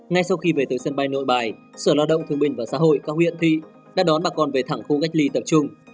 ngay sau khi về từ sân bay nội bài sở lao động thương minh và xã hội các huyện thị đã đón bà con về thẳng khu cách ly tập trung